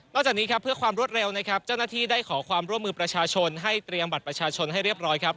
จากนี้ครับเพื่อความรวดเร็วนะครับเจ้าหน้าที่ได้ขอความร่วมมือประชาชนให้เตรียมบัตรประชาชนให้เรียบร้อยครับ